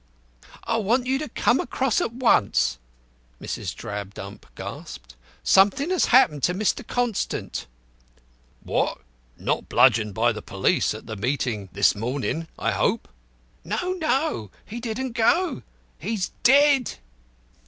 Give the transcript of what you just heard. "I want you to come across at once," Mrs. Drabdump gasped. "Something has happened to Mr. Constant." "What! Not bludgeoned by the police at the meeting this morning, I hope?" "No, no! He didn't go. He is dead."